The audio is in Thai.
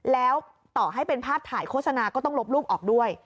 แล้วต่อให้เป็นภาพถ่ายโฆษณาก็ต้องลบรูปออกด้วย